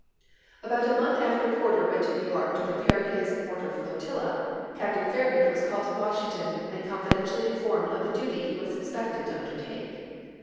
About a month after Porter went to New York to prepare his mortar flotilla. Captain Farragut was called to Washington and confiden tially informed of the duty he was expected to un dertake.